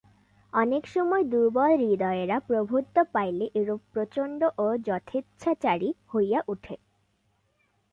অনেক সময়ে দুর্বলহৃদয়েরা প্রভুত্ব পাইলে এইরূপ প্রচণ্ড ও যথেচ্ছাচারী হইয়া উঠে।